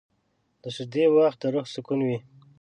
د سجدې وخت د روح سکون وي.